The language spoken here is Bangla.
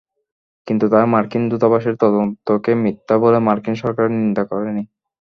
কিন্তু তারা মার্কিন দূতাবাসের তদন্তকে মিথ্যা বলে মার্কিন সরকারের নিন্দা করেনি।